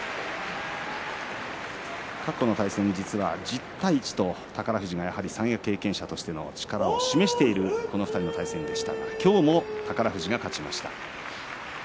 過去の対戦、実は１０対１と宝富士が三役経験者としての力を示しているこの２人の対戦ですが今日も宝富士が勝ちました。